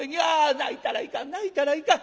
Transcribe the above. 泣いたらいかん泣いたらいかん。